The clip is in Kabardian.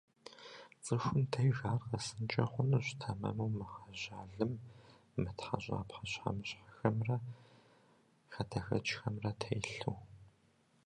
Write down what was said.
Цӏыхум деж ар къэсынкӏэ хъунущ тэмэму мыгъэжьа лым, мытхьэщӏа пхъэщхьэмыщхьэхэмрэ хадэхэкӏхэмрэ телъу.